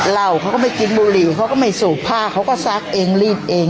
เหล่าเค้าไปกินบุหรี่เค้าก็ไม่สูบผ้าเค้าก็ซักเองลีบเอง